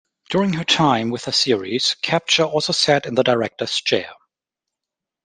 During her time with the series, Kapture also sat in the director's chair.